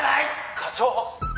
「課長」